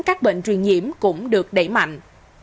các bệnh truyền nhiễm cũng được đẩy mạnh